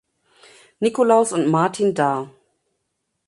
Nikolaus und Martin dar.